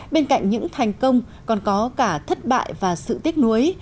bên cạnh những thành công còn có cả thất bại và sự tiếc nuối